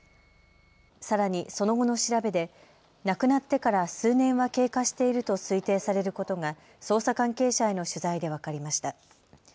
さらにその後の調べで亡くなってから数年は経過していると推定されることが捜査関係者への取材で分かりました。